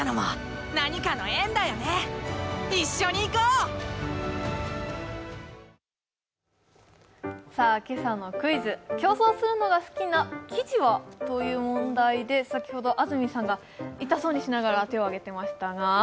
僕もサントリー「ＶＡＲＯＮ」今朝のクイズ、競争するのが好きな生地はという問題で先ほど安住さんが痛そうにしながら手を挙げていましたが。